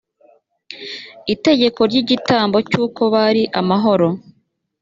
itegeko ry igitambo cy uko bari amahoro